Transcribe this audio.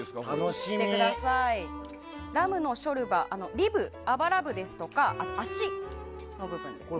ラムのショルバリブ、あばら部ですとか足の部分ですね。